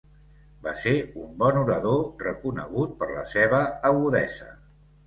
Va ser un bon orador reconegut per la seva agudesa.